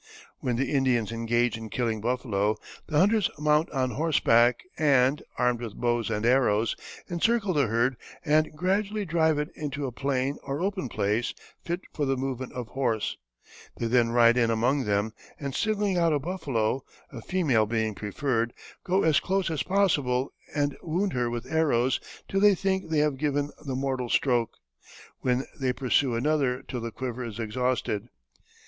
"When the Indians engage in killing buffalo, the hunters mount on horseback and, armed with bows and arrows, encircle the herd and gradually drive it into a plain or open place fit for the movement of horse; they then ride in among them, and singling out a buffalo, a female being preferred, go as close as possible and wound her with arrows till they think they have given the mortal stroke; when they pursue another till the quiver is exhausted.